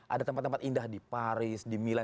ada tempat tempat indah di paris di mila